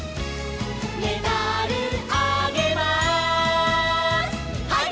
「メダルあげます」「ハイ！